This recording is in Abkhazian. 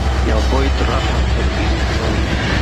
Иабоит раҳаҭыр изҭоу.